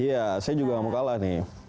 iya saya juga gak mau kalah nih